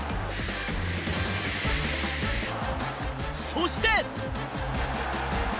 そして。